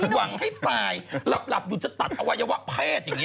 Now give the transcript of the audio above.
หวังให้ตายหลับอยู่จะตัดอวัยวะเพศอย่างนี้